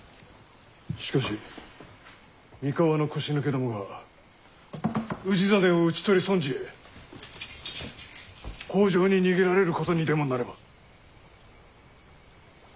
しかし三河の腰抜けどもが氏真を討ち取り損じ北条に逃げられることにでもなれば。